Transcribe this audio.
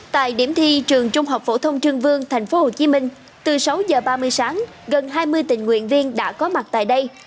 tại điểm thi trường trung học phổ thông trương vương tp hcm từ sáu h ba mươi sáng gần hai mươi tình nguyện viên đã có mặt tại đây